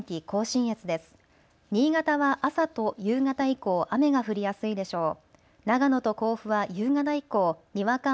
新潟は朝と夕方以降雨が降りやすいでしょう。